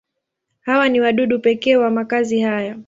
Hawa ni wadudu pekee wa makazi haya.